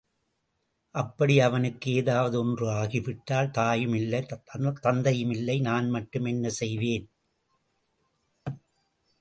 அப்படி அவனுக்கு ஏதாவது ஒன்று ஆகிவிட்டால், தாயும் இல்லை, தந்தையுமில்லை நான் மட்டும் என்ன செய்வேன்?